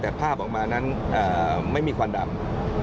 แต่ภาพออกมานั้นไม่มีควันดำ